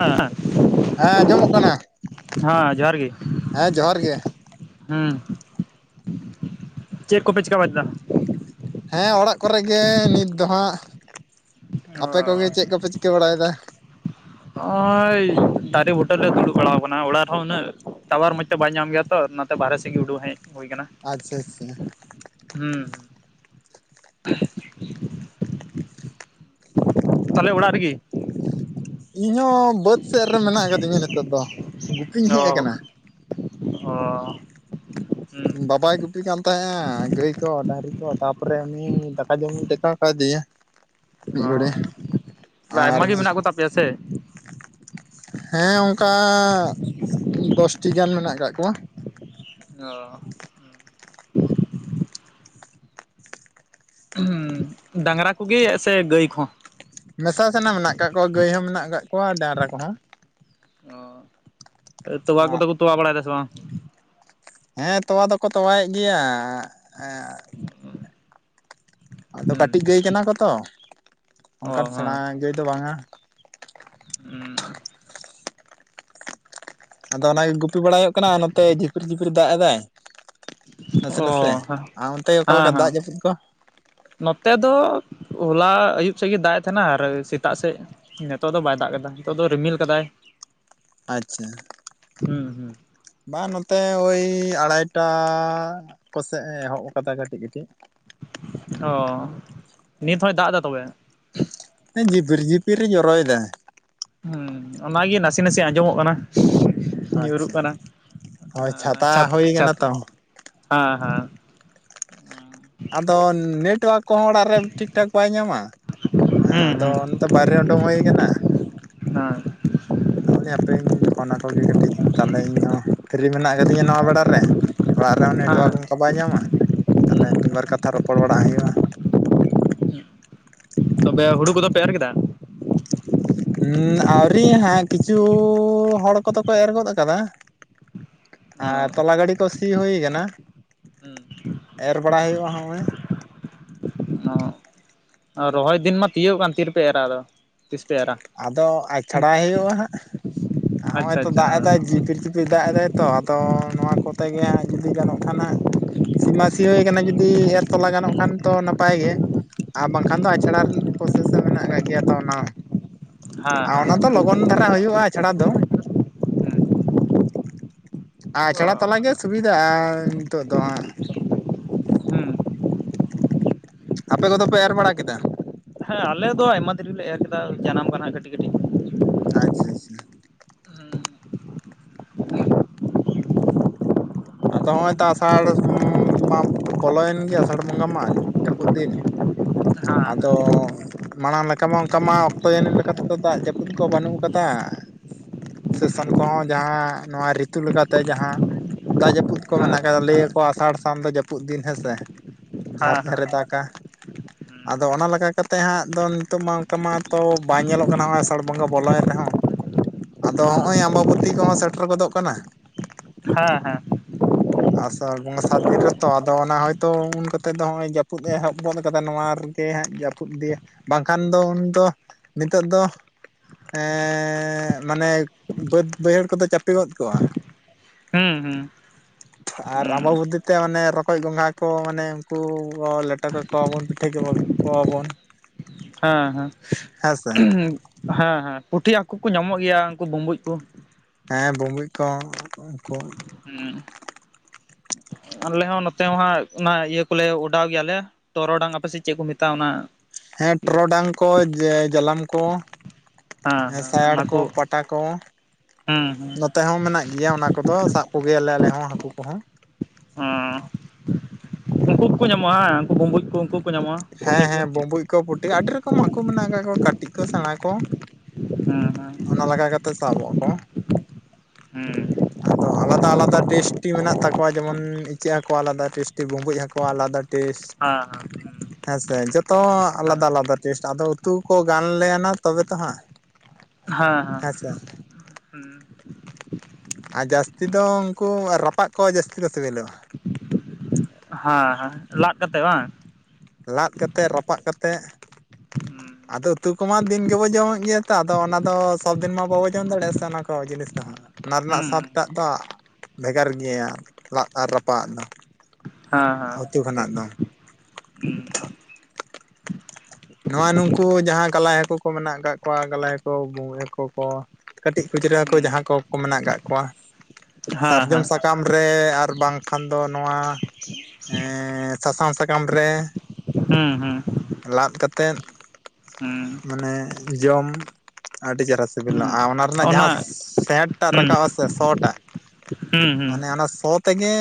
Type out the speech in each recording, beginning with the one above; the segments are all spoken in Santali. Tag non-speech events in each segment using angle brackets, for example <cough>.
ᱟᱸ ᱦᱮᱸ ᱟᱸᱡᱚᱢᱚᱜ ᱠᱟᱱᱟ <unintelligible> ᱦᱟᱸ ᱡᱚᱦᱟᱨ ᱜᱮ᱾ ᱦᱮᱸ ᱡᱚᱦᱟᱨ ᱜᱮ ᱦᱩᱸ, ᱪᱮᱫ ᱠᱚᱯᱮ ᱪᱮᱠᱟ ᱵᱟᱡᱽ ᱫᱟ? ᱦᱮᱸ ᱚᱲᱟᱜ ᱠᱚᱨᱮ ᱜᱮ ᱱᱤᱛ ᱫᱚ ᱦᱟᱸᱜ, ᱟᱯᱮ ᱠᱚᱜᱮ ᱪᱮᱜ ᱠᱚᱯᱮ ᱪᱤᱠᱟᱹ ᱵᱟᱲᱟᱭᱮᱫᱟ? <inaudible> ᱦᱚᱸᱜᱼᱚᱸᱭ ᱫᱟᱨᱮ ᱵᱩᱴᱟᱹ ᱨᱮᱞᱮ ᱫᱩᱲᱩᱵ ᱵᱟᱲᱟᱣ ᱣᱟᱠᱟᱱᱟ, ᱚᱲᱟᱜ ᱨᱮᱦᱚᱸ ᱩᱱᱟᱹᱜ ᱴᱟᱣᱟᱨ ᱢᱚᱸᱡᱽ ᱛᱮ ᱵᱟᱭ ᱧᱟᱢ ᱜᱮᱭᱟ ᱛᱚ, ᱚᱱᱟ ᱱᱚᱛᱮ ᱵᱟᱦᱨᱮ ᱥᱮᱫ ᱜᱤ, ᱩᱰᱩᱝ ᱦᱮᱡ ᱦᱩᱭ ᱠᱟᱱᱟ᱾ ᱟᱪᱪᱷᱟ ᱟᱪᱪᱷᱟ᱾ <inaudible> ᱦᱩᱸ, ᱛᱟ ᱦᱚᱞᱮ ᱚᱲᱟᱜ ᱨᱮᱜᱤ? ᱤᱧ ᱦᱚᱸ ᱵᱟᱹᱫᱽ ᱥᱮᱫ ᱨᱮ ᱢᱮᱱᱟᱜ ᱟᱠᱟᱫ ᱫᱤᱧᱟ ᱱᱤᱛᱚᱜ ᱫᱚ, ᱜᱩᱯᱤᱧ ᱚ ᱦᱮᱡ ᱟᱠᱟᱱᱟ᱾ <inaudible> ᱚ, ᱦᱩᱸ ᱵᱟᱵᱟᱭ ᱜᱩᱯᱤ ᱠᱟᱱ ᱛᱟᱦᱮᱸᱼᱟ, ᱜᱟᱹᱭ ᱠᱚ ᱰᱟᱺᱜᱽᱨᱤ ᱠᱚ ᱛᱟᱯᱚᱨᱮ ᱩᱱᱤ ᱫᱟᱠᱟ ᱡᱚᱢᱤᱧ ᱴᱮᱠᱟᱣ ᱯᱟᱹ ᱫᱤᱭᱟᱹ ᱢᱤᱫ ᱰᱚᱲᱮ, ᱵᱟ ᱟᱭᱢᱟ ᱜᱮ ᱢᱮᱱᱟᱜ ᱠᱚ ᱛᱟᱯᱮᱭᱟ ᱥᱮ? ᱦᱮᱸ ᱚᱸᱠᱟᱸᱻᱜ ᱫᱚᱥ ᱴᱤ ᱜᱟᱱ ᱢᱮᱱᱟᱜ ᱟᱠᱟᱜ ᱠᱚᱣᱟ᱾ ᱚᱦ, ᱰᱟᱺᱜᱽᱨᱟ ᱠᱚᱜᱮᱜ ᱥᱮ ᱜᱟᱹᱭ ᱠᱚᱦᱚᱸ? ᱢᱮᱥᱟ ᱥᱟᱱᱟ ᱢᱮᱱᱟᱜ ᱟᱠᱟᱜ ᱠᱚᱣᱟ, ᱜᱟᱹᱭ ᱦᱚᱸ ᱢᱮᱱᱟᱜ ᱟᱠᱟᱜ ᱠᱚᱣᱟ ᱰᱟᱺᱜᱽᱨᱟ ᱠᱚᱦᱚᱸ᱾ ᱚ ᱛᱚᱣᱟ ᱠᱚᱫᱚ ᱠᱚ ᱛᱚᱣᱟ ᱵᱟᱲᱟ ᱭᱮᱫᱟ ᱥᱮ ᱵᱟᱝ? ᱦᱮᱸ ᱛᱚᱣᱟ ᱫᱚᱠᱚ ᱛᱚᱣᱟᱭᱮᱜ ᱜᱮᱭᱟ, ᱮᱸ ᱜ ᱟᱫᱚ ᱦᱩᱸ ᱠᱟᱹᱴᱤᱡ ᱜᱟᱹᱭ ᱠᱟᱱᱟ ᱠᱚ ᱛᱚ, ᱚ ᱚᱱᱠᱟᱱ ᱥᱮᱬᱟ ᱜᱟᱹᱭ ᱫᱚ ᱵᱟᱝᱼᱟ᱾ ᱩᱸᱦ, ᱟᱫᱚ ᱚᱱᱟᱜᱮ ᱜᱩᱯᱤ ᱵᱟᱲᱟᱭ ᱦᱩᱭᱩᱜ ᱠᱟᱱᱟ, ᱟᱨ ᱱᱚᱛᱮ ᱡᱷᱤᱯᱤᱨ ᱡᱷᱤᱯᱤᱨ ᱮ ᱫᱟᱜ ᱮᱫᱟᱭ, ᱱᱟᱥᱮ ᱚ ᱱᱟᱥᱮ ᱦᱮᱸ ᱟᱨ ᱚᱱᱛᱮ ᱜᱮ ᱚᱠᱟ ᱞᱮᱠᱟ ᱦᱮᱸ ᱫᱟᱜ ᱡᱟᱹᱯᱩᱤᱫ ᱠᱚ ᱱᱚᱛᱮ ᱫᱚ ᱦᱚᱞᱟ ᱟᱹᱭᱩᱵ ᱥᱮᱫ ᱜᱮ ᱫᱟᱜ ᱮᱫ ᱛᱟᱦᱮᱱᱟ ᱟᱨ ᱥᱮᱛᱟᱜ ᱥᱮᱫ ᱱᱤᱛᱚᱜ ᱫᱚ ᱵᱟᱭ ᱫᱟᱜ ᱠᱮᱫᱟ ᱱᱤᱛᱚᱜ ᱫᱚ ᱨᱤᱢᱤᱞ ᱠᱟᱫᱟᱭ ᱟᱪᱪᱷᱟ ᱦᱮᱸ ᱦᱩᱸ ᱵᱟᱝ ᱱᱚᱛᱮ ᱳᱭ ᱟᱲᱟᱭᱴᱟᱜ ᱠᱚᱥᱮᱫ ᱮ ᱮᱦᱚᱵ ᱠᱟᱫᱟ ᱠᱟᱹᱴᱤᱡᱼᱠᱟᱹᱴᱤᱡ ᱚ ᱱᱤᱛ ᱦᱳᱭ ᱫᱟᱜ ᱮᱫᱟ ᱛᱚᱵᱮ ᱮᱸ ᱡᱤᱯᱤᱨ ᱡᱤᱯᱤᱨ ᱨᱮ ᱡᱚᱨᱚᱭᱮᱫᱟ ᱦᱮᱸ ᱚᱱᱟᱜᱮ ᱱᱟᱥᱮ ᱱᱟᱥᱮ ᱟᱸᱡᱚᱢᱚᱜ ᱠᱟᱱᱟ᱾ ᱧᱩᱨᱩᱜ ᱟᱪᱪᱷᱟ ᱠᱟᱱᱟ ᱦᱳᱭ ᱟᱸ ᱪᱷᱟᱛᱟ ᱪᱷᱟᱛ ᱦᱩᱭ ᱪᱷᱟᱛ ᱠᱟᱱᱟ ᱛᱚ ᱦᱮᱸᱻᱦᱮᱸᱻ ᱟᱫᱚ ᱱᱮᱴᱳᱣᱟᱨᱠ ᱠᱚᱦᱚᱸ ᱚᱲᱟᱜ ᱨᱮ ᱴᱷᱤᱠ ᱴᱷᱟᱠ ᱵᱟᱭ ᱧᱟᱢᱟ᱾ ᱟᱸ ᱦᱩᱸ ᱟᱫᱚ ᱦᱩᱸ ᱟᱫᱚ ᱵᱟᱦᱨᱮ ᱩᱰᱩᱝ ᱦᱩᱭ ᱟᱠᱟᱱᱟ᱾ <unintelligible> ᱛᱟᱦᱚᱞᱮ ᱦᱟᱯᱮᱧ ᱯᱷᱳᱱ ᱟᱠᱚᱜᱮ ᱠᱟᱹᱴᱤᱡ ᱛᱟᱦᱚᱞᱮ ᱤᱧᱦᱚᱸ ᱯᱷᱤᱨᱤ ᱢᱮᱱᱟᱜ ᱟᱠᱟᱫᱤᱧᱟ ᱱᱚᱣᱟ ᱵᱮᱲᱟ ᱨᱮ ᱚᱲᱟᱜ ᱨᱮᱦᱚᱸ ᱱᱮᱴᱳᱣᱟᱨᱠ ᱦᱮᱸ ᱚᱱᱠᱟ ᱵᱟᱭ ᱧᱟᱢᱟ᱾ ᱛᱟᱦᱚᱞᱮ ᱢᱤᱫ ᱵᱟᱨ ᱠᱟᱛᱷᱟ ᱨᱚᱯᱚᱲ ᱵᱟᱲᱟ ᱦᱩᱭᱩᱜᱼᱟ᱾ ᱛᱚᱵᱮ ᱦᱩᱲᱩ ᱠᱚᱫᱚ ᱯᱮ ᱮᱨ ᱠᱮᱫᱟ <unintelligible> ᱟᱹᱣᱨᱤ ᱦᱟᱸᱜ ᱠᱤᱪᱷᱩ ᱦᱚᱲ ᱠᱚᱫᱚ ᱠᱚ ᱮᱨ ᱜᱚᱫ ᱠᱟᱫᱟ <inaudible> ᱟᱨ ᱛᱚᱞᱟ ᱜᱟᱹᱰᱤ ᱠᱚ ᱥᱤ ᱦᱩᱭ ᱠᱟᱱᱟ᱾ ᱮᱨ ᱵᱟᱲᱟᱭ ᱦᱩᱭᱩᱜᱼᱟ ᱦᱚᱸᱜᱼᱚᱭᱼᱼ ᱟᱨ ᱨᱚᱦᱚᱭ ᱫᱤᱱ ᱢᱟ ᱛᱤᱭᱩᱜ ᱟᱠᱟᱱ ᱛᱤᱱ ᱨᱮᱯᱮ ᱮᱨᱟ ᱟᱫᱚ ᱛᱤᱥ ᱯᱮ ᱮᱨᱟ ᱟᱫᱚ ᱟᱪᱷᱟᱲᱟᱭ ᱦᱩᱭᱩᱜᱼᱟ ᱦᱟᱸᱜ ᱦᱚᱸᱜᱼᱚᱭ ᱟᱪᱪᱷᱟ ᱛᱚ ᱟᱪᱪᱷᱟ ᱫᱟᱜ ᱮᱫᱟᱭ ᱡᱤᱯᱤᱨ <unintelligible> ᱫᱟᱜ ᱮᱫᱟᱭ ᱛᱚ ᱟᱫᱚ ᱱᱚᱣᱟ ᱠᱚᱛᱮ ᱜᱮ ᱦᱟᱸᱜ ᱡᱩᱫᱤ ᱜᱟᱱᱚᱜ ᱠᱷᱟᱱ ᱦᱟᱸᱜ ᱥᱤ ᱢᱟ ᱥᱤ ᱦᱳᱭ ᱠᱟᱱᱟ ᱡᱩᱫᱤ ᱮᱨ ᱛᱚᱞᱟ ᱜᱟᱱᱚᱜ ᱠᱷᱟᱱ ᱛᱚ ᱱᱟᱯᱟᱭ ᱜᱮ ᱟᱨ ᱵᱟᱝᱠᱷᱟᱱ ᱫᱚ ᱟᱪᱷᱲᱟ ᱯᱨᱚᱥᱮᱥ ᱢᱮᱱᱟᱜ ᱠᱟᱜ ᱜᱮᱭᱟ ᱛᱚ ᱚᱱᱟ ᱦᱚᱸ ᱦᱮᱸ ᱟᱨ ᱦᱮᱸ ᱚᱱᱟ ᱫᱚ ᱞᱚᱜᱚᱱ ᱫᱷᱟᱨᱟ ᱦᱩᱭᱩᱜᱼᱟ ᱟᱪᱷᱟᱲᱟ ᱫᱚ ᱚ ᱟᱪᱷᱟᱲᱟ ᱛᱚᱞᱟ ᱜᱮ ᱥᱩᱵᱤᱫᱷᱟᱜᱼᱟ᱾ ᱱᱤᱛᱚᱜ ᱫᱚ ᱦᱟᱸᱜ ᱦᱩᱸ ᱟᱯᱮ ᱠᱚᱫᱚ ᱯᱮ ᱮᱨ ᱵᱟᱲᱟ ᱠᱮᱫᱟ ᱦᱮᱸ ᱟᱞᱮ ᱫᱚ ᱟᱭᱢᱟ ᱫᱤᱱ ᱨᱮᱞᱮ ᱮᱨ ᱠᱮᱫᱟ ᱡᱟᱱᱟᱢ ᱠᱟᱱᱟ ᱠᱟᱹᱴᱤᱡ ᱠᱟᱹᱴᱤᱡ ᱟᱪᱪᱷᱟ ᱟᱪᱪᱷᱟ ᱦᱮᱸ ᱦᱮᱸ ᱦᱮᱸ ᱦᱮᱸ ᱦᱮᱸ ᱦᱮᱸ ᱦᱮᱸ ᱦᱮᱸ ᱟᱫᱚ ᱦᱚᱸᱜᱼᱚᱭ ᱛᱚ ᱟᱥᱟᱲ <unintelligible> ᱢᱟ ᱵᱚᱞᱚᱭᱮᱱ ᱜᱮᱭᱟ ᱟᱥᱟᱲ ᱵᱚᱸᱜᱟ ᱢᱟ ᱡᱟᱹᱯᱩᱫ ᱫᱤᱱ ᱟᱫᱚ ᱢᱟᱲᱟᱝ ᱞᱮᱠᱟ ᱢᱟ ᱚᱱᱠᱟ ᱢᱟ ᱚᱠᱛᱚ ᱡᱟᱹᱱᱤᱡ ᱞᱮᱠᱟ ᱛᱮᱫᱚ ᱫᱟᱜ ᱡᱟᱹᱯᱩᱫ ᱠᱚ ᱵᱟᱹᱱᱩᱜ ᱠᱟᱫᱟ ᱥᱮᱥᱟᱱ ᱠᱚᱦᱚᱸ ᱡᱟᱦᱟᱸ ᱱᱚᱣᱟ ᱨᱤᱛᱩ ᱞᱮᱠᱟᱛᱮ ᱡᱟᱦᱟᱸ ᱫᱟᱜ ᱡᱟᱹᱯᱩᱫ ᱠᱚ ᱢᱮᱱᱟᱜ ᱠᱟᱫᱟ ᱞᱟᱹᱭ ᱟᱠᱚ ᱟᱥᱟᱲ ᱥᱟᱱ ᱫᱚ ᱡᱟᱹᱯᱩᱫ ᱫᱤᱱ ᱦᱮᱸᱥᱮ ᱡᱷᱟᱨ ᱡᱷᱟᱨ ᱮ ᱫᱟᱜᱽᱼᱟ᱾ ᱟᱫᱚ ᱚᱱᱟ ᱞᱮᱠᱟ ᱠᱟᱛᱮᱫ ᱦᱟᱸᱜ ᱫᱚ ᱱᱤᱛᱚᱜ ᱢᱟ ᱚᱱᱠᱟ ᱢᱟᱛᱚ ᱵᱟᱭ ᱧᱮᱞᱚᱜ ᱠᱟᱱᱟ ᱱᱚᱜᱼᱚᱭ ᱟᱥᱟᱲ ᱵᱚᱸᱜᱟ ᱵᱚᱞᱚᱭ ᱮᱱ ᱨᱮᱦᱚᱸ ᱟᱫᱚ ᱦᱚᱸᱜᱼᱚᱭ ᱟᱢᱵᱟᱵᱚᱛᱤ ᱠᱚᱦᱚᱸ ᱥᱮᱴᱮᱨ ᱜᱚᱫᱚᱜ ᱠᱟᱱᱟ᱾ ᱦᱮᱸ ᱦᱮᱸ ᱟᱥᱟᱲ ᱵᱚᱸᱜᱟ ᱥᱟᱛ ᱫᱤᱱ ᱨᱮᱛᱚ ᱟᱫᱚ ᱚᱱᱟ ᱦᱳᱭᱛᱚ ᱩᱱ ᱠᱚᱛᱮ ᱫᱚ ᱱᱚᱜ ᱚᱭ ᱡᱟᱹᱯᱩᱫ ᱮᱦᱚᱵ ᱜᱚᱫ ᱟᱠᱟᱫᱟ ᱱᱚᱣᱟ ᱛᱮ ᱦᱟᱸᱜ ᱡᱟᱹᱯᱩᱫ ᱤᱫᱤᱭᱮ ᱵᱟᱝᱠᱷᱟᱱ ᱫᱚ ᱩᱱᱫᱚ ᱱᱤᱛᱚᱜ ᱫᱚ ᱮᱸᱻ ᱢᱟᱱᱮ ᱵᱟᱹᱫᱽ ᱵᱟᱹᱭᱦᱟᱹᱲ ᱠᱚᱫᱚ ᱪᱟᱯᱮ ᱜᱚᱫ ᱠᱚᱜᱼᱟ᱾ ᱦᱩᱸ ᱦᱩᱸ ᱟᱨ ᱟᱢᱵᱟᱵᱚᱛᱤ ᱛᱮ ᱢᱟᱱᱮ ᱨᱚᱠᱚᱡ ᱜᱚᱸᱜᱷᱟ ᱠᱚ ᱢᱟᱱᱮ ᱩᱱᱠᱩ ᱠᱚ ᱞᱮᱴᱚ ᱠᱮᱠᱚᱣᱟᱵᱚᱱ ᱯᱤᱴᱷᱟᱹ ᱠᱮᱠᱚ ᱠᱚᱣᱟᱵᱚᱱ ᱦᱮᱸ ᱦᱮᱸ ᱦᱮᱸ ᱦᱮᱸ ᱯᱩᱴᱷᱤ ᱦᱟᱹᱠᱩ ᱠᱩ ᱧᱟᱢᱚᱜ ᱜᱮᱭᱟ ᱩᱱᱠᱩ ᱵᱩᱸᱵᱩᱡ ᱠᱚ ᱾ ᱦᱮᱸ ᱵᱩᱵᱩᱡ ᱠᱚ ᱩᱱᱠᱩ ᱦᱩᱸ ᱟᱞᱮ ᱦᱚᱸ ᱱᱚᱛᱮ ᱦᱟᱸᱜ ᱚᱱᱟ ᱤᱭᱟᱹ ᱠᱚᱞᱮ ᱚᱰᱟᱣ ᱜᱮᱭᱟᱞᱮ ᱴᱚᱨᱚᱰᱟᱝ ᱟᱯᱮ ᱥᱮᱫ ᱪᱮᱫ ᱠᱚ ᱢᱮᱛᱟᱜᱼᱟ ᱚᱱᱟ? ᱦᱮᱸ ᱴᱚᱨᱚᱰᱟᱝ ᱠᱚ ᱡᱟᱞᱟᱢ ᱠᱚ ᱦᱮᱸ ᱥᱟᱭᱟᱲ ᱚᱱᱟ ᱠᱚ ᱯᱟᱴ ᱯᱟᱴᱟ ᱠᱚ ᱦᱮᱸ ᱦᱮᱸ ᱱᱚᱛᱮ ᱦᱚᱸ ᱢᱮᱱᱟᱜ ᱜᱮᱭᱟ ᱚᱱᱟ ᱠᱚᱫᱚ ᱥᱟᱵ ᱠᱚᱜᱮᱭᱟᱞᱮ ᱟᱞᱮ ᱦᱚᱸ ᱦᱟᱹᱠᱩ ᱠᱚᱦᱚᱸ ᱾ ᱦᱸ ᱩᱱᱠᱩ ᱠᱚᱠᱚ ᱧᱟᱢᱚᱜᱼᱟ ᱦᱮᱸ ᱩᱱᱠᱩ ᱵᱩᱸᱵᱩᱡ ᱠᱚ ᱩᱱᱠᱩ ᱦᱚᱸ ᱠᱚ ᱧᱟᱢᱚᱜᱼᱟ ᱯᱩᱴᱷᱤ ᱦᱮᱸ ᱠᱚ᱾ ᱦᱮᱸ ᱵᱩᱸᱵᱩᱡ ᱠᱚ ᱯᱩᱴᱷᱤ ᱟᱹᱰᱤ ᱨᱚᱠᱚᱢ ᱦᱟᱹᱠᱩ ᱢᱮᱱᱟᱜ ᱠᱟᱜ ᱠᱚᱣᱟ ᱠᱟᱹᱴᱤᱡ ᱠᱚ ᱥᱮᱬᱟ ᱠᱚ ᱾ ᱦᱮᱸ ᱦᱮᱸ ᱚᱱᱟ ᱞᱟᱜᱟ ᱠᱟᱛᱮᱫ ᱥᱟᱵᱚᱜ ᱟᱠᱚ ᱾ ᱦᱩ ᱟᱫᱚ ᱟᱞᱟᱫᱟ ᱟᱞᱟᱫᱟ ᱴᱮᱥᱴᱤ ᱢᱮᱱᱟᱜ ᱛᱟᱠᱚᱣᱟ ᱡᱮᱢᱚᱱ ᱤᱪᱟᱹᱜ ᱦᱟᱹᱠᱩ ᱟᱞᱟᱫᱟ ᱴᱮᱥᱴᱤ ᱵᱩᱵᱩᱡ ᱦᱟᱹᱠᱩ ᱟᱞᱟᱫᱟ ᱾ ᱴᱮᱥ ᱦᱮᱸ ᱦᱮᱸ ᱦᱮᱸᱥᱮ ᱡᱚᱛᱚ ᱦᱮᱸ ᱟᱞᱟᱫᱟ ᱟᱞᱟᱫᱟ ᱴᱮᱥᱴ, ᱟᱫᱚ ᱚᱛᱩ ᱠᱚ ᱜᱟᱱ ᱞᱮᱱ-ᱱᱟ ᱛᱚᱵᱮ ᱛᱚ ᱦᱟᱸᱜ ᱦᱮᱸ ᱟᱪᱪᱷᱟ ᱾ ᱦᱩᱸ ᱟᱨ ᱡᱟᱹᱥᱛᱤ ᱫᱚ ᱩᱱᱠᱩ ᱨᱟᱯᱟᱜ ᱠᱚ ᱡᱟᱹᱥᱛᱤ ᱫᱚ ᱥᱤᱵᱤᱞᱚᱜᱼᱟ ᱾ ᱦᱮᱸ ᱦᱮᱸ ᱞᱟᱜ ᱠᱟᱛᱮ ᱵᱟᱝ ᱾ ᱞᱟᱫ ᱠᱟᱛᱮᱫ ᱨᱟᱯᱟᱜ ᱠᱟᱛᱮᱫ ᱟᱫᱚ ᱩᱛᱩ ᱠᱚᱢᱟ ᱫᱤᱱ ᱜᱮᱵᱚ ᱡᱚᱢᱮᱫ ᱜᱮᱭᱟ ᱛᱚ ᱟᱫᱚ ᱚᱱᱟ ᱫᱚ ᱥᱚᱵᱽᱫᱤᱱ ᱢᱟ ᱵᱟᱵᱚ ᱡᱚᱢ ᱫᱟᱲᱮᱭᱟᱜᱼᱟ ᱥᱮ ᱚᱱᱟ ᱠᱚ ᱡᱤᱱᱤᱥ ᱫᱚ ᱦᱟᱸᱜ ᱾ ᱚᱱᱟ ᱨᱮᱱᱟᱜ ᱦᱩᱸ ᱥᱟᱫᱴᱟᱜ ᱫᱚ ᱵᱷᱮᱜᱟᱨ ᱜᱮᱭᱟ ᱞᱟᱫ ᱟᱨ ᱨᱟᱯᱟᱜᱟᱜ ᱫᱚ ᱾ ᱦᱮᱸ ᱦᱮᱸ ᱴᱷᱤᱠ ᱾ ᱱᱚᱣᱟ ᱱᱩᱝᱠᱩ ᱡᱟᱦᱟᱸ ᱠᱟᱞᱟᱭ ᱦᱟᱹᱠᱩ ᱠᱚ ᱢᱮᱱᱟᱜ ᱠᱟᱜ ᱠᱚᱣᱟ ᱠᱟᱞᱟᱭ ᱦᱟᱹᱠᱩ ᱵᱩᱵᱩᱡ ᱦᱟᱹᱠᱩ ᱠᱚ ᱾ ᱠᱟᱹᱴᱤᱡ ᱠᱷᱩᱪᱨᱟᱹ ᱦᱟᱠᱩ ᱦᱩᱸ ᱡᱟᱦᱟᱸ ᱠᱚ ᱢᱮᱱᱟᱜ ᱠᱚᱣᱟ ᱦᱮᱸ ᱥᱟᱨᱡᱚᱢ ᱦᱮᱸ ᱥᱟᱠᱟᱢ ᱥᱟᱠᱟᱢ ᱨᱮ ᱟᱨ ᱵᱟᱝᱠᱷᱟᱱ ᱫᱚ ᱱᱚᱣᱟ ᱦᱮᱸ ᱥᱟᱥᱟᱝ ᱥᱟᱠᱟᱢ ᱨᱮ ᱦᱩᱸ ᱦᱩᱸ ᱞᱟᱫ ᱠᱟᱛᱮᱫ ᱦᱩᱸ ᱢᱟᱱᱮ ᱡᱚᱢ ᱟᱹᱰᱤ ᱪᱮᱨᱦᱟ ᱥᱤᱵᱤᱞᱟ ᱟᱨ ᱚᱱᱟ ᱨᱮᱱᱟᱜ ᱡᱟᱦᱟᱸ ᱥᱮᱴ ᱴᱟᱜ ᱦᱩᱸ ᱨᱟᱠᱟᱵᱟ ᱥᱮ ᱥᱚ ᱴᱟᱜ ᱦᱩᱸ ᱦᱩᱸ ᱢᱟᱱᱮ ᱚᱱᱟ ᱥᱚ ᱛᱮᱜᱮ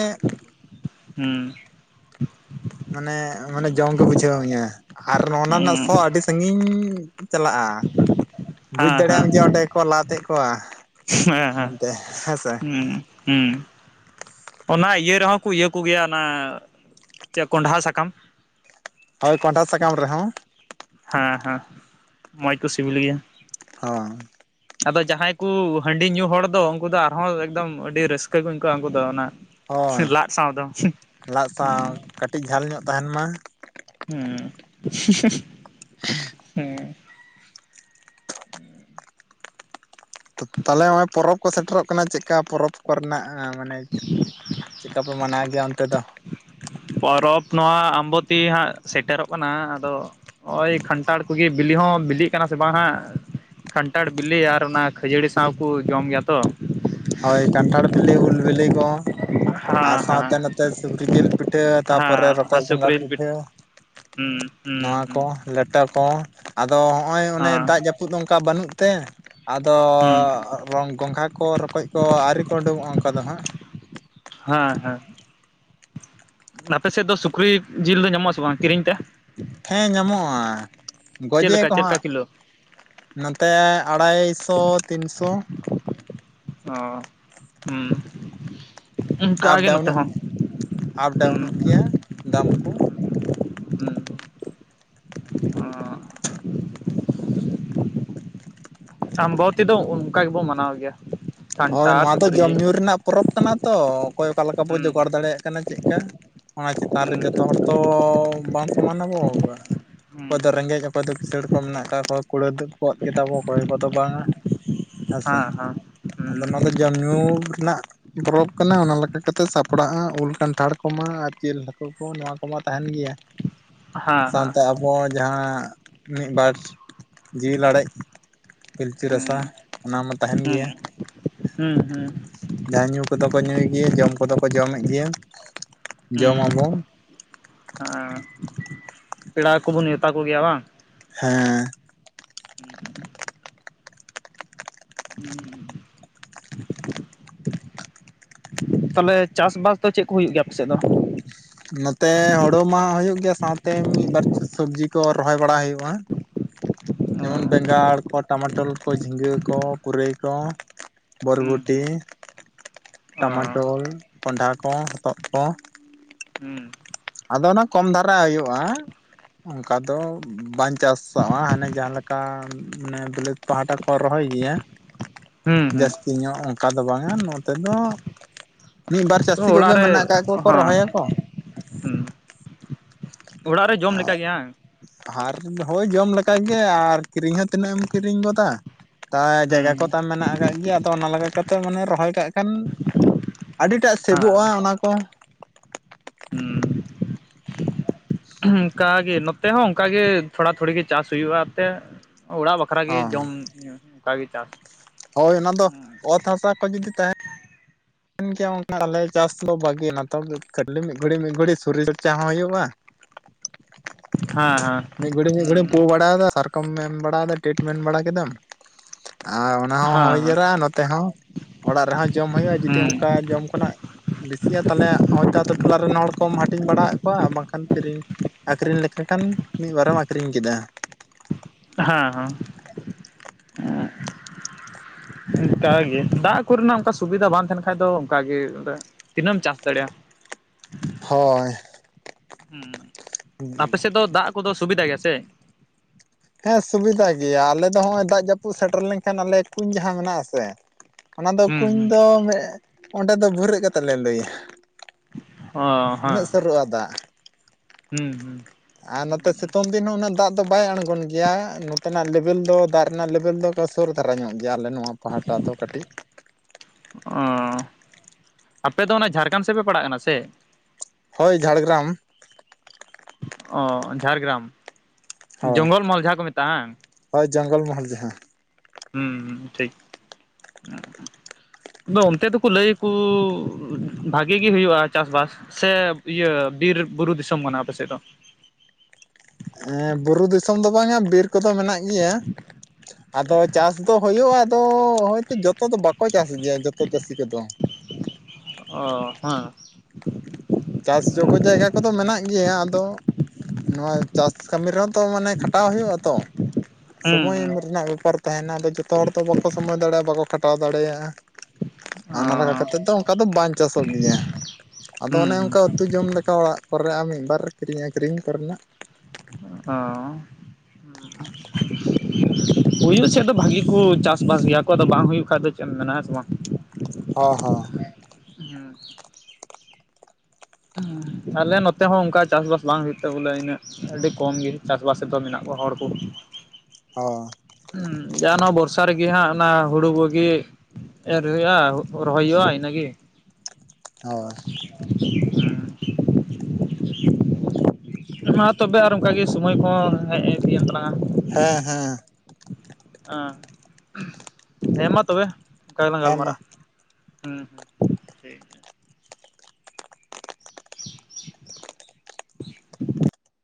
ᱦᱩᱸ ᱢᱟᱱᱮ ᱢᱟᱱᱮ ᱡᱚᱢ ᱜᱮ ᱵᱩᱡᱷᱟᱹᱣ ᱢᱮᱭᱟ ᱾ ᱟᱨ ᱱᱚᱜᱱᱟ ᱨᱮᱱᱟᱜ ᱦᱩᱸ ᱦᱮᱸ ᱥᱚ ᱟᱹᱰᱤ ᱥᱟᱺᱜᱤᱧ ᱪᱟᱞᱟᱜᱼᱟ ᱾ ᱵᱩᱡ ᱦᱮᱸ ᱫᱟᱲᱮᱭᱟᱢ ᱦᱮᱸ ᱡᱮ ᱚᱸᱰᱮ ᱠᱚ ᱞᱟᱛᱮᱜ ᱠᱚᱣᱟ ᱦᱮᱸ ᱮᱱᱛᱮ ᱦᱮᱸᱥᱮ᱾ ᱦᱩᱸ ᱦᱩᱸ ᱚᱱᱟ ᱤᱭᱟᱹ ᱨᱮᱦᱚᱸ ᱠᱚ ᱤᱭᱟᱹ ᱠᱚᱜᱮᱭᱟ ᱚᱱᱟ ᱪᱮᱫ ᱠᱚᱸᱰᱦᱟ ᱥᱟᱠᱟᱢ, ᱦᱳᱭ ᱠᱚᱸᱰᱦᱟ ᱥᱟᱠᱟᱢ ᱨᱮᱦᱚᱸ ᱦᱮᱸ ᱦᱮᱸ ᱢᱚᱸᱡᱽ ᱠᱚ ᱥᱤᱵᱤᱞ ᱜᱮᱭᱟ ᱾ ᱚ ᱟᱫᱚ ᱡᱟᱦᱟᱸᱭ ᱠᱚ ᱦᱟᱺᱰᱤ ᱧᱩ ᱦᱚᱲ ᱫᱚ ᱩᱱᱠᱩ ᱫᱚ ᱟᱨᱦᱚᱸ ᱮᱠᱫᱚᱢ ᱟᱹᱰᱤ ᱨᱟᱹᱥᱠᱟᱹ ᱠᱚ ᱟᱹᱭᱠᱟᱹᱣᱟ ᱩᱱᱠᱩ ᱫᱚ ᱚᱱᱟ ᱦᱳᱭ ᱞᱟᱫ ᱥᱟᱶ ᱫᱚ ᱞᱟᱜ ᱾ ᱩᱸ ᱥᱟᱶ ᱠᱟᱹᱴᱤᱡ ᱡᱷᱟᱞ ᱧᱚᱜ ᱛᱟᱦᱮᱱ ᱢᱟ <unintelligible> <unintelligible> ᱦᱮᱸ ᱛᱟᱦᱚᱞᱮ ᱱᱚᱜᱼᱚᱭ ᱯᱚᱨᱚᱵᱽ ᱠᱚ ᱥᱮᱴᱮᱨᱚᱜ ᱠᱟᱱᱟ ᱪᱮᱫ ᱞᱮᱠᱟ ᱯᱚᱨᱚᱵᱽ ᱠᱚᱨᱮ ᱱᱟᱜ ᱢᱟᱱᱮ ᱪᱮᱫ ᱠᱟᱯᱮ ᱢᱟᱱᱟᱣ ᱜᱮᱭᱟ ᱚᱱᱛᱮ ᱫᱚ? ᱯᱚᱨᱚᱵᱽ ᱱᱚᱣᱟ ᱟᱢᱵᱚᱛᱤ ᱦᱟᱸᱜ ᱥᱮᱴᱮᱨᱚᱜ ᱠᱟᱱᱟ᱾ ᱟᱫᱚ ᱦᱚᱸᱜᱼᱚᱭ ᱠᱷᱟᱱᱴᱷᱟᱲ ᱠᱚᱜᱮ ᱵᱤᱞᱤ ᱦᱚᱸ ᱵᱤᱞᱤᱜ ᱠᱟᱱᱟ ᱥᱮ ᱵᱟᱝ ᱦᱟᱸᱜ ᱠᱷᱟᱱᱴᱷᱟᱲ ᱵᱤᱞᱤ ᱟᱨ ᱚᱱᱟ ᱠᱷᱟᱹᱡᱟᱹᱲᱤ ᱥᱟᱶ ᱠᱚ ᱡᱚᱢ ᱜᱮᱭᱟ ᱛᱚ ᱦᱳᱭ ᱠᱟᱱᱴᱷᱟᱲ ᱵᱤᱞᱤ ᱩᱞ ᱵᱤᱞᱤ ᱠᱚ ᱟᱨ ᱦᱮᱸ ᱥᱟᱶᱛᱮ ᱦᱮᱸ ᱱᱚᱛᱮ ᱥᱩᱠᱨᱤ ᱡᱤᱞ ᱯᱤᱴ ᱯᱤᱴᱷᱟᱹ ᱛᱟᱯᱚᱨᱮ ᱦᱮᱸ ᱦᱮᱸ ᱨᱚᱠᱚᱡᱽ ᱜᱚᱸᱜᱷᱟ ᱥᱩᱠᱨᱤ ᱯᱤᱴ ᱯᱤᱴᱷᱟᱹ ᱦᱩᱸ ᱦᱩᱸ ᱱᱚᱣᱟ ᱦᱩᱸ ᱠᱚ᱾ ᱞᱮᱴᱚ ᱠᱚ ᱟᱫᱚ ᱦᱚᱜᱼᱚᱭ ᱚᱱᱮ ᱦᱮᱸ ᱫᱟᱜ ᱡᱟᱹᱯᱩᱫ ᱚᱱᱠᱟ ᱵᱟᱹᱱᱩᱜ ᱛᱮ ᱟᱫᱚ ᱦᱩᱸ ᱨᱚᱝ ᱜᱚᱸᱜᱷᱟ ᱠᱚ ᱨᱚᱠᱚᱡ ᱠᱚ ᱟᱹᱨᱤ ᱠᱚ ᱩᱰᱩᱝᱚᱜᱼᱟ ᱚᱱᱠᱟ ᱫᱚ ᱦᱟᱸᱜ ᱦᱮᱸ ᱦᱮᱸ ᱟᱯᱮ ᱥᱮᱫ ᱫᱚ ᱥᱩᱠᱨᱤ ᱡᱤᱞ ᱫᱚ ᱧᱟᱢᱚᱜ ᱟᱥᱮ ᱵᱟᱝ ᱠᱤᱨᱤᱧ ᱛᱮ? ᱦᱮᱸ ᱧᱟᱢᱚᱜᱼᱟ᱾ ᱪᱮᱫ ᱜᱚᱡᱮ ᱞᱮᱠᱟ ᱪᱮᱫ ᱞᱮᱠᱟ ᱟᱠᱚᱦᱟᱸᱜ ᱠᱤᱞᱳ ᱱᱚᱛᱮ ᱟᱲᱟᱭᱥᱚ ᱛᱤᱱᱥᱚ ᱚ ᱦᱩᱸ ᱟᱯ ᱚᱱᱠᱟᱜᱮ ᱱᱚᱛᱮ ᱰᱟᱣᱩᱱᱚᱜ ᱦᱚᱸ ᱟᱯ ᱦᱩᱸ ᱰᱟᱣᱩᱱᱚᱜ ᱜᱮᱭᱟ ᱫᱟᱢ ᱠᱚ᱾ ᱚᱸ ᱟᱢᱵᱟᱵᱚᱛᱤ ᱛᱮᱫᱚ ᱚᱱᱠᱟ ᱜᱮᱵᱚ ᱢᱟᱱᱟᱣ ᱜᱮᱭᱟ᱾ ᱦᱳᱭ ᱠᱷᱟᱱᱴᱟᱲ ᱱᱚᱣᱟ ᱫᱚ ᱥᱩᱠᱨᱤ ᱡᱚᱢ ᱡᱤᱞ ᱧᱩ ᱨᱮᱱᱟᱜ ᱯᱚᱨᱚᱵᱽ ᱠᱟᱱᱟ ᱛᱚ ᱚᱠᱚᱭ ᱚᱠᱟ ᱞᱮᱠᱟ ᱵᱚ ᱦᱩᱸ ᱡᱚᱜᱟᱲ ᱦᱩᱸ ᱫᱟᱲᱮᱭᱟᱜ ᱠᱟᱱᱟ ᱪᱮᱫᱠᱟ᱾ ᱚᱱᱟ ᱪᱮᱛᱟᱱ ᱨᱮ ᱡᱚᱛᱚ ᱦᱚᱲ ᱛᱚ ᱵᱟᱢ ᱥᱚᱢᱟᱱᱟ ᱟᱵᱚ ᱚᱠᱚᱭ ᱫᱚ ᱨᱮᱸᱜᱮᱡ ᱚᱠᱚᱭ ᱫᱚ ᱠᱤᱥᱟᱹᱲ ᱠᱚ ᱢᱮᱱᱟᱜ ᱟᱠᱟᱫ ᱠᱚᱣᱟ, ᱠᱩᱲᱟᱹ ᱛᱮᱫ ᱜᱚᱫ ᱠᱮᱫᱟᱵᱚ ᱚᱠᱚᱭ ᱠᱚᱫᱚ ᱵᱟᱝᱟ ᱦᱮᱸᱥᱮ ᱦᱟᱸ ᱦᱟᱸ ᱱᱚᱣᱟ ᱟᱫᱚ ᱡᱚᱢ ᱧᱩ ᱨᱮᱱᱟᱜ ᱯᱚᱨᱚᱵᱽ ᱠᱟᱱᱟ ᱚᱱᱟ ᱞᱮᱠᱟᱛᱮᱫ ᱥᱟᱯᱲᱟᱜᱼᱟ ᱩᱞ ᱠᱟᱱᱴᱷᱟᱲ ᱠᱚᱢᱟ ᱟᱨ ᱡᱤᱞ ᱦᱟᱹᱠᱩ ᱠᱚ ᱱᱚᱣᱟ ᱠᱚᱢᱟ ᱛᱟᱦᱮᱱ ᱜᱮᱭᱟ᱾ ᱥᱟᱶᱛᱮ ᱟᱵᱚ ᱡᱟᱦᱟᱸ ᱢᱤᱫ ᱵᱟᱨ ᱡᱤᱣᱤ ᱞᱟᱲᱮᱡ ᱯᱤᱞᱪᱩ ᱨᱟᱥᱟ ᱚᱱᱟ ᱢᱟ ᱛᱟᱦᱮᱱ ᱜᱮᱭᱟ᱾ ᱦᱩᱸ ᱦᱩᱸ ᱡᱟᱭ ᱧᱩ ᱠᱚᱫᱚ ᱠᱚ ᱧᱩᱭᱮᱜ ᱜᱮᱭᱟ ᱡᱚᱢ ᱠᱚᱫᱚ ᱠᱚ ᱡᱚᱢᱮᱫ ᱜᱮᱭᱟ᱾ ᱦᱩᱸ ᱡᱚᱢᱟᱵᱚᱱ ᱟᱨ ᱯᱮᱲᱟ ᱠᱚᱵᱚᱱ ᱱᱮᱣᱛᱟ ᱠᱚᱜᱮᱭᱟ ᱵᱟᱝ᱾ ᱦᱮᱸ <unintelligible> <unintelligible> ᱛᱟᱞᱦᱮ ᱪᱟᱥᱼᱵᱟᱥ ᱫᱚ ᱪᱮᱫ ᱠᱚ ᱦᱩᱭᱩᱜ ᱜᱮᱭᱟ ᱟᱯᱮ ᱥᱮᱫ ᱫᱚ᱾ ᱱᱚᱛᱮ ᱦᱳᱲᱳ ᱢᱟ ᱦᱩᱭᱩᱜ ᱜᱮᱭᱟ ᱥᱟᱶᱛᱮ ᱢᱤᱫ ᱵᱟᱨ ᱥᱚᱵᱽᱡᱤ ᱠᱚ ᱨᱚᱦᱚᱭ ᱵᱟᱲᱟ ᱦᱳᱭᱳᱜᱼᱟ᱾ <unintelligible> ᱡᱮᱢᱚᱱ ᱵᱮᱸᱜᱟᱲ ᱠᱚ ᱴᱟᱢᱟ ᱴᱳᱞ ᱠᱚ ᱡᱷᱤᱸᱜᱟᱹ ᱠᱚ ᱯᱩᱨᱟᱹᱭ ᱠᱚ ᱵᱷᱚᱨ ᱦᱩᱸ ᱵᱷᱚᱴᱤ ᱦᱩᱸ ᱚ ᱴᱟᱢᱟᱴᱳᱞ ᱠᱚᱸᱰᱷᱟ ᱠᱚ ᱦᱚᱛᱚᱫ ᱠᱚ ᱦᱩᱸ ᱟᱫᱚ ᱚᱱᱟ ᱠᱚᱢ ᱫᱷᱟᱨᱟ ᱦᱳᱭᱳᱜᱼᱟ᱾ ᱚᱱᱠᱟ ᱫᱚ ᱵᱟᱝ ᱪᱟᱥᱚᱜᱼᱟ ᱦᱟᱱᱮ ᱡᱟᱦᱟᱸᱞᱮᱠᱟ ᱢᱟᱱᱮ ᱵᱤᱞᱟᱹᱛ ᱯᱟᱦᱟᱴᱟ ᱠᱚ ᱨᱚᱦᱚᱭ ᱜᱮᱭᱟ᱾ ᱦᱩᱸ ᱦᱩᱸ ᱡᱟᱹᱥᱛᱤ ᱧᱚᱜ ᱚᱱᱠᱟ ᱫᱚ ᱵᱟᱝᱼᱟ ᱱᱚᱛᱮ ᱫᱚ ᱢᱤᱫ ᱵᱟᱨ ᱛᱚ ᱪᱟᱹᱥᱤ ᱚᱲᱟᱜ ᱠᱚᱜᱮ ᱨᱮ ᱢᱮᱱᱟᱜ ᱟᱠᱟᱫ ᱠᱚᱣᱟ ᱠᱚ ᱦᱮᱸ ᱨᱚᱦᱚᱭᱟ ᱠᱚ ᱦᱩᱸ ᱚᱲᱟᱜ ᱨᱮ ᱡᱚᱢ ᱞᱮᱠᱟ ᱜᱮᱭᱟᱝ ᱟᱨ ᱦᱳᱭ ᱡᱚᱢ ᱞᱮᱠᱟᱜ ᱜᱮ ᱟᱨ ᱠᱤᱨᱤᱧ ᱦᱚᱸ ᱛᱤᱱᱟᱹᱜ ᱮᱢ ᱠᱤᱨᱤᱧ ᱜᱚᱫᱟ᱾ ᱛᱟᱭ ᱦᱩᱸ ᱡᱟᱭᱜᱟ ᱠᱚ ᱛᱟᱢ ᱢᱮᱱᱟᱜ ᱟᱠᱟᱫ ᱜᱮᱭᱟ ᱟᱫᱚ ᱚᱱᱟ ᱞᱮᱠᱟ ᱠᱟᱛᱮᱫ ᱢᱟᱱᱮ ᱨᱚᱦᱚᱭ ᱠᱟᱜ ᱠᱷᱟᱱ ᱟᱹᱰᱤ ᱴᱟᱜ ᱥᱮᱵᱚᱜᱼᱟ ᱦᱮᱸ ᱚᱱᱟ ᱠᱚ ᱚᱱᱠᱟ ᱜᱮ ᱱᱚᱛᱮ ᱦᱚᱸ ᱚᱱᱠᱟ ᱜᱮ ᱛᱷᱚᱲᱟ ᱛᱷᱚᱲᱤ ᱜᱮ ᱪᱟᱥ ᱦᱩᱭᱩᱜᱼᱟ᱾ ᱛᱮ ᱚᱲᱟᱜ ᱵᱟᱠᱷᱨᱟ ᱜᱮ ᱦᱚᱸ ᱡᱚᱢ ᱧᱩ ᱚᱱᱠᱟᱜ ᱜᱮ ᱪᱟᱥ, ᱦᱳᱭ ᱚᱱᱟ ᱫᱚ ᱦᱩᱸ ᱚᱛ ᱦᱟᱥᱟ ᱠᱚ ᱡᱩᱫᱤ ᱛᱟᱦᱮ, <unintelligible> ᱜᱮᱭᱟ ᱚᱱᱠᱟ ᱟᱞᱮ ᱪᱟᱥ ᱫᱚ ᱵᱷᱟᱹᱜᱤ ᱱᱮᱛᱟᱨ ᱫᱚ ᱠᱷᱟᱹᱞᱤ ᱢᱤᱜ ᱜᱷᱲᱤ ᱢᱤᱜ ᱜᱷᱲᱤ ᱥᱚᱨᱤᱨ ᱪᱚᱨᱪᱟ ᱦᱚᱸ ᱦᱳᱭᱳᱜᱼᱟ᱾ <inaudible> ᱦᱮᱸ ᱦᱮᱸ ᱢᱤᱜ ᱜᱷᱟᱹᱲᱤ ᱦᱮᱸ ᱢᱤᱜ ᱜᱷᱟᱹᱲᱤᱢ ᱯᱳ ᱵᱟᱲᱟ ᱫᱟ ᱟᱨ, ᱠᱚᱢ ᱮᱢ ᱵᱟᱲᱟ ᱟᱫᱟ ᱴᱤᱴ ᱢᱮᱱ ᱵᱟᱲᱟ ᱠᱮᱫᱟᱢ ᱟᱨ, ᱚᱱᱟ ᱦᱚᱸ ᱦᱩᱭ ᱦᱮᱸ ᱡᱟᱨᱟᱜᱼᱟ ᱱᱚ ᱛᱮ ᱦᱚᱸ ᱚᱲᱟᱜ ᱨᱮ ᱦᱚᱸ ᱡᱚᱢ ᱦᱩᱭᱩᱜᱼᱟ ᱡᱩᱫᱤ ᱚᱱᱠᱟ ᱡᱚᱢ ᱠᱷᱚᱱᱟᱜ, ᱵᱮᱥᱤᱜ ᱛᱟᱦᱚᱞᱮ ᱦᱚᱭ ᱛᱚ ᱟᱛᱳ ᱴᱚᱞᱟ ᱨᱮᱱ ᱦᱚᱲ ᱠᱚᱢ ᱦᱟᱹᱴᱤᱧ ᱵᱟᱲᱟ ᱟᱫ ᱠᱚᱣᱟ ᱵᱟᱝ ᱠᱷᱟᱱ ᱠᱤᱨᱤᱧ, ᱟᱠᱷᱨᱤᱧ ᱞᱮᱠᱚ ᱠᱷᱟᱱ ᱢᱤᱫ ᱵᱟᱨᱮᱢ ᱟᱠᱷᱨᱤᱧ ᱠᱮᱫᱟ᱾ ᱦᱮᱸ ᱦᱮᱸ, ᱚᱱᱠᱟ ᱜᱮ ᱫᱟᱜᱽ ᱠᱚᱨᱮ ᱱᱟᱜ ᱚᱱᱠᱟ ᱥᱩᱵᱤᱫᱷᱟ ᱵᱟᱝ ᱛᱟᱦᱮᱱ ᱠᱷᱟᱭ ᱫᱚ ᱚᱱᱠᱟ ᱜᱮ, ᱛᱤᱱᱟᱹᱢ ᱪᱟᱥ ᱫᱟᱲᱮᱜᱼ ᱟ᱾ ᱦᱳᱭ, ᱦᱩᱸ ᱟᱯᱮ ᱥᱮᱫ ᱫᱚ ᱫᱟᱜᱽ ᱠᱚ ᱫᱚ ᱥᱩᱵᱤᱫᱟ ᱜᱮ ᱭᱟ ᱥᱮ? ᱦᱮᱸ ᱥᱩᱵᱤᱫᱷᱟ ᱜᱮᱭᱟ ᱟᱞᱮ ᱫᱚ ᱱᱚᱜᱼᱚᱭ ᱫᱟᱜᱽ ᱡᱟᱹᱯᱩᱫ ᱥᱮᱴᱮᱨ ᱞᱮᱱᱠᱷᱟᱱ ᱟᱞᱮ ᱠᱩᱧ ᱡᱟᱦᱟᱸ ᱢᱮᱱᱟᱜ ᱟᱥᱮ, ᱚᱱᱟ ᱫᱚ ᱦᱩᱸ ᱠᱩᱧ ᱦᱩᱸ ᱫᱚ ᱚᱸᱰᱮ ᱫᱚ ᱵᱷᱩᱨᱟᱹᱜ ᱠᱟᱛᱮᱜ ᱞᱮ ᱞᱩᱭᱟ᱾ ᱚ ᱦᱮᱸ ᱩᱱᱟᱹᱜ ᱥᱩᱨᱚᱜᱼᱟ ᱫᱟᱜᱽ᱾ ᱦᱩᱸ ᱦᱩᱸ, ᱟᱨ ᱱᱚᱛᱮ ᱥᱤᱛᱩᱝ ᱫᱤᱱ ᱦᱚᱸ ᱩᱱᱟᱹᱜ ᱫᱟᱜᱽ ᱫᱚ ᱵᱟᱭ ᱟᱬᱜᱚᱱ ᱜᱮᱭᱟ ᱱᱚᱛᱮ ᱱᱟᱜᱽ ᱞᱮᱵᱮᱞ ᱫᱚ ᱫᱟᱜᱽ ᱨᱮᱱᱟᱜ ᱞᱮᱵᱮᱞ ᱫᱚ, ᱛᱚ ᱥᱩᱨ ᱫᱷᱟᱨᱟ ᱧᱚᱜ ᱜᱮᱭᱟ ᱟᱞᱮ ᱱᱚᱣᱟ ᱯᱟᱦᱟᱴᱟ ᱫᱚ ᱠᱟᱹᱴᱤᱜ᱾ ᱚᱸᱻ ᱟᱯᱮ ᱫᱚ ᱚᱱᱟ ᱡᱷᱟᱲ ᱠᱷᱸᱰ ᱥᱮᱜ ᱯᱮ ᱯᱟᱲᱟᱜ ᱠᱟᱱᱟ ᱥᱮ, ᱦᱳᱭ ᱡᱷᱟᱲᱜᱮᱨᱟᱢ᱾ ᱚ ᱡᱷᱟᱲᱜᱨᱟᱢ ᱦᱳᱭ ᱡᱚᱝᱜᱚᱞ ᱢᱚᱦᱚᱞ ᱡᱟᱦᱟᱸ ᱠᱚ ᱢᱮᱛᱟᱜᱼᱟ ᱦᱟᱝ᱾ ᱦᱳᱭ ᱡᱚᱝᱜᱚᱞ ᱢᱚᱦᱚᱞ ᱡᱟᱦᱟ᱾ ᱦᱩᱸ ᱦᱩᱸ ᱴᱷᱤᱠ ᱦᱩᱸ ᱦᱩᱸ᱾ ᱟᱫᱚ ᱚᱱᱛᱮ ᱫᱚᱠᱚ ᱞᱟᱹᱭ ᱟᱠᱚ ᱵᱷᱟᱜᱤ ᱜᱮ ᱦᱩᱭᱩᱜᱼᱟ ᱪᱟᱥ ᱵᱟᱥ᱾ ᱥᱮ ᱤᱭᱟᱹ ᱵᱤᱨ ᱵᱩᱨᱩ ᱫᱤᱥᱚᱢ ᱠᱟᱱᱟ ᱟᱯᱮᱥᱮᱫ ᱫᱚ? ᱮᱸ ᱵᱩᱨᱩ ᱫᱤᱥᱚᱢ ᱫᱚ ᱵᱟᱝᱟ ᱵᱤᱨ ᱠᱚᱫᱚ ᱢᱮᱱᱟᱜ ᱜᱮᱭᱟ᱾ ᱟᱫᱚ ᱪᱟᱥ ᱫᱚ ᱦᱩᱭᱩᱜᱼᱟ ᱟᱫᱚ ᱦᱚᱭᱛᱚ ᱡᱚᱛᱚ ᱫᱚ ᱵᱟᱠᱚ ᱪᱟᱥ ᱜᱮᱭᱟ ᱡᱚᱛᱚ ᱪᱟᱹᱥᱤ ᱠᱚᱫᱚ᱾ ᱚ ᱦᱮᱸ, ᱪᱟᱥ ᱡᱳᱜᱽᱜᱚ ᱡᱟᱭᱜᱟ ᱠᱚᱫᱚ ᱢᱮᱱᱟᱜ ᱜᱮᱭᱟ ᱟᱫᱚ, ᱱᱚᱣᱟ ᱪᱟᱥ ᱠᱟᱹᱢᱤ ᱨᱮᱦᱚᱸ ᱛᱚ ᱢᱟᱱᱮ ᱠᱷᱟᱴᱟᱣ ᱦᱩᱭᱩᱜᱼᱟ ᱛᱚ, ᱦᱩᱸ ᱥᱚᱢᱚᱭ ᱦᱩᱸ ᱨᱮᱱᱟᱜ ᱵᱮᱯᱟᱨ ᱛᱟᱦᱮᱸᱱᱟ ᱟᱫᱚ ᱡᱚᱛᱚ ᱦᱚᱲ ᱫᱚ ᱵᱟᱠᱚ ᱥᱚᱢᱚᱭ ᱫᱟᱲᱮᱭᱟᱜᱼᱟ ᱵᱟᱠᱚ ᱠᱷᱟᱴᱟᱣ ᱫᱟᱲᱮᱭᱟᱜᱼᱟ᱾ ᱚ ᱚᱱᱟ ᱞᱮᱠᱟ ᱠᱟᱛᱮᱜ ᱫᱚ ᱚᱱᱠᱟ ᱫᱚ ᱵᱟᱝ ᱪᱟᱥᱚᱜ ᱜᱮᱭᱟ ᱟᱫᱚ ᱦᱩᱸ ᱚᱱᱮ, ᱦᱩᱸ <unintelligible> ᱩᱛᱩ ᱡᱚᱢ ᱞᱮᱠᱟ ᱚᱲᱟᱜ ᱠᱚᱨᱮ ᱢᱤᱫ ᱵᱟᱨ ᱠᱤᱨᱤᱧ ᱟᱠᱷᱨᱤᱧ ᱠᱚᱨᱮᱱᱟᱜ᱾ ᱚᱸ, ᱦᱩᱭᱩᱜ ᱥᱮᱫ ᱫᱚ ᱵᱷᱟᱹᱜᱤ ᱠᱩ ᱪᱟᱥᱵᱟᱥ ᱜᱮᱭᱟ ᱠᱚ ᱟᱫᱚ ᱵᱟᱝ ᱦᱩᱭᱩᱜ ᱠᱷᱟᱭ ᱫᱚ ᱪᱮᱫ ᱮᱢ ᱢᱮᱱᱟ ᱦᱮᱸ ᱥᱮ ᱵᱟᱝ᱾ ᱦᱚᱸ ᱦᱚᱸ, ᱦᱩᱸ ᱟᱞᱮ ᱱᱚᱛᱮ ᱦᱚᱸ ᱚᱱᱠᱟ ᱪᱟᱥᱵᱟᱥ ᱵᱟᱝ ᱦᱩᱭᱩᱜ ᱛᱮ ᱵᱚᱞᱮ ᱤᱱᱟᱹᱜ, ᱟᱹᱰᱤ ᱠᱚᱢᱜᱮ ᱪᱟᱥᱵᱟᱥ ᱨᱮᱫᱚ ᱢᱮᱱᱟᱜ ᱠᱚᱣᱟ ᱦᱚᱲ ᱠᱚ᱾ ᱦᱚ, ᱦᱩᱸ ᱡᱟ ᱱᱚᱣᱟ ᱵᱚᱨᱥᱟ ᱨᱮᱜᱮ ᱦᱟᱸᱜ ᱚᱱᱟ ᱦᱩᱲᱩ ᱠᱚᱜᱮ, ᱮᱨ ᱦᱩᱭᱩᱜᱼᱟ ᱨᱚᱦᱚᱭ ᱦᱩᱭᱩᱜᱼᱟ ᱤᱱᱟᱹᱜᱤ ᱦᱚᱸ ᱵᱟᱥ᱾ ᱢᱟ ᱛᱚᱵᱮ ᱟᱨ ᱚᱱᱠᱟᱜᱤ ᱥᱚᱢᱚᱭ ᱠᱚᱦᱚᱸ ᱦᱮᱜ ᱤᱫᱤᱭᱮᱱ ᱛᱟᱞᱟᱝᱟ᱾ ᱦᱮᱸ ᱦᱮᱸ ᱾ ᱦᱮᱸ ᱦᱮᱸ ᱢᱟ ᱛᱚᱵᱮ ᱚᱱᱠᱟ ᱜᱮᱞᱟᱝ ᱦᱮᱸ ᱢᱟ ᱜᱟᱞᱢᱟᱨᱟᱜᱼᱟ ᱾